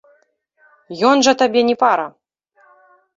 Ён жа табе не пара.